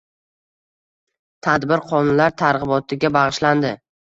Tadbir qonunlar targ‘ibotiga bag‘ishlandi